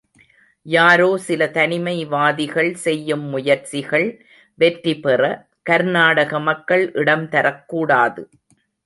யாரோ சில தனிமை வாதிகள் செய்யும் முயற்சிகள் வெற்றி பெற, கர்நாடக மக்கள் இடம் தரக்கூடாது!